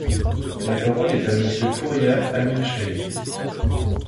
La parole est à Monsieur Pouria Amirshahi.